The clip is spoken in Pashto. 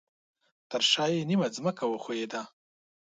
ترشاه یې نیمه ځمکه وښویده